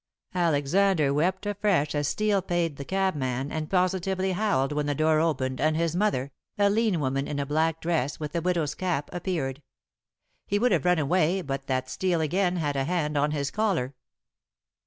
Alexander wept afresh as Steel paid the cabman, and positively howled when the door opened and his mother a lean woman in a black dress, with a widow's cap appeared. He would have run away but that Steel again had a hand on his collar.